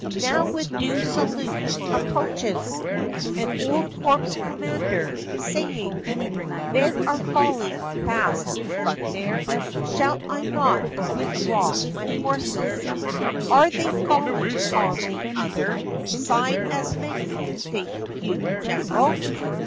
Now, with due salute, approaches An old corps commander, saying :' Men are falling fast in front there ; Shall I not withdraw my forces ?"' Are they falling on the other Side, as many, think you, gen'ral?"